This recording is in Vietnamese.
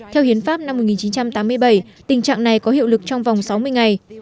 theo hiến pháp năm một nghìn chín trăm tám mươi bảy tình trạng này có hiệu lực trong vòng sáu mươi ngày